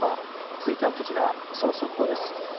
続いてはその速報です。